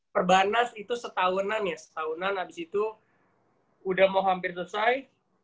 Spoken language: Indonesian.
perbanas itu setahunan ya setahunan abis itu udah mau hampir selesai